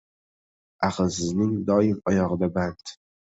Aqlsizning doim oyog‘ida band.